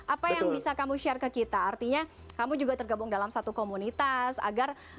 apa yang bisa kamu share ke kita artinya kamu juga tergabung dalam satu komunitas agar